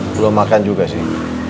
belum makan juga sih